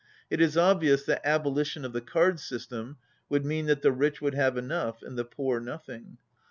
It is obvious that abolition of the card system would mean that the rich would have enough and the poor nothing.